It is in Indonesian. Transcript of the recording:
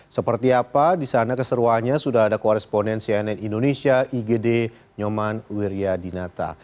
seperti apa disana keseruahannya sudah ada koresponen cnn indonesia igd nyoman wiryadinata